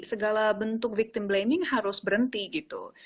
segala bentuk victim blaming harus berhenti gitu